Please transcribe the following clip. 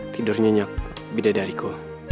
tidurnya nyak bidadariku